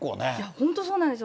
本当そうなんですよ。